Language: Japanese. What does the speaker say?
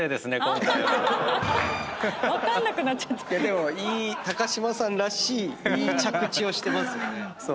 でもいい嶋さんらしいいい着地をしてますよね。